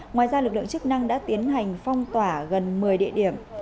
ngoài ra lực lượng chức năng đã tiến hành phong tỏa gần một mươi địa điểm